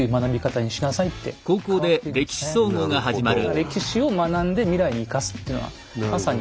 歴史を学んで未来に生かすっていうのはまさに。